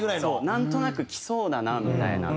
なんとなくきそうだなみたいな。